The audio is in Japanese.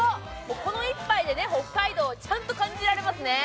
この一杯で北海道をちゃんと感じられますね。